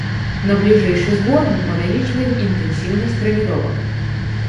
На бліжэйшы збор мы павялічваем інтэнсіўнасць трэніровак.